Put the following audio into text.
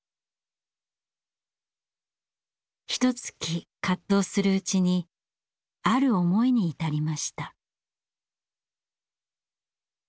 ひとつき葛藤するうちにある思いに至りました。